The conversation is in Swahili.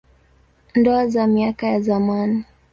Ndoa za miaka ya zamani.